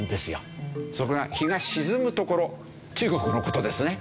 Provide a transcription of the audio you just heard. そこが日が沈む所中国の事ですね。